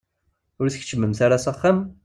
Ur tkeččmemt ara s axxam?